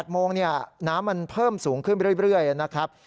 ๘โมงน้ำมันเพิ่มสูงขึ้นเรื่อยนะครับ